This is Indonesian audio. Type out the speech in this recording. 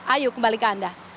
ayo kembali ke anda